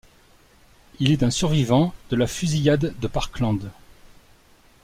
Il est un survivant de la fusillade de Parkland.